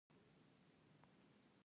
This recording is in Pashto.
سخاوت او مېلمه پالنې دپاره ئې شهرت لرلو